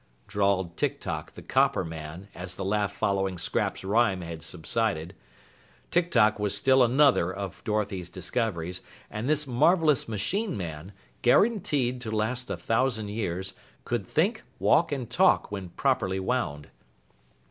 drawled Tik Tok the copper man as the laugh following Scraps' rhyme had subsided. Tik Tok was still another of Dorothy's discoveries, and this marvelous machine man, guaranteed to last a thousand years, could think, walk, and talk when properly wound.